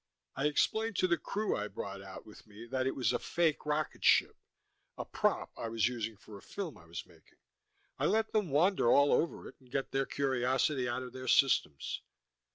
I explained to the crew I brought out with me that it was a fake rocket ship, a prop I was using for a film I was making, I let them wander all over it and get their curiosity out of their systems.